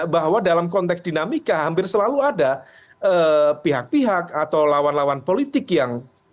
bahwa dalam konteks dinamika hampir selalu ada pihak pihak atau lawan lawan politik yang